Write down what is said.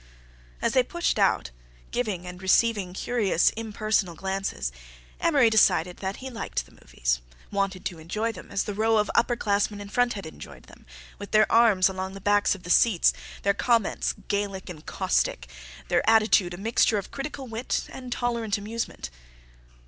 Oh h h h!" As they pushed out, giving and receiving curious impersonal glances, Amory decided that he liked the movies, wanted to enjoy them as the row of upper classmen in front had enjoyed them, with their arms along the backs of the seats, their comments Gaelic and caustic, their attitude a mixture of critical wit and tolerant amusement.